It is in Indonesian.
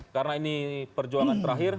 karena ini perjuangan terakhir